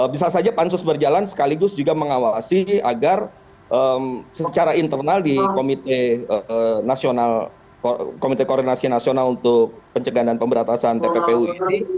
bisa saja pansus berjalan sekaligus juga mengawasi agar secara internal di komite koordinasi nasional untuk pencegahan dan pemberatasan tppu ini